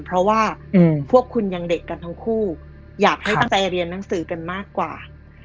เพราะว่าพวกคุณยังเด็กกันทั้งคู่อยากให้ตั้งใจเรียนหนังสือกันมากกว่า